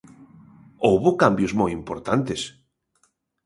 Houbo cambios moi importantes.